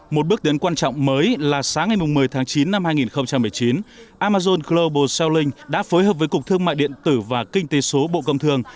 một bước đến quan trọng mới là sáng ngày một mươi tháng chín năm hai nghìn một mươi chín amazon global selling đã phối hợp với cục thương mại điện tử và kinh tế số bộ công thương